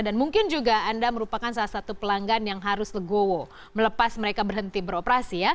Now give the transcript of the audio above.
dan mungkin juga anda merupakan salah satu pelanggan yang harus legowo melepas mereka berhenti beroperasi